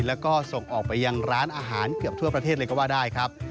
แล้วก็ส่งออกไปยังร้านอาหารเกือบทั่วประเทศเลยก็ว่าได้ครับ